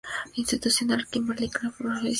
Institucional: Kimberly-Clark Professional.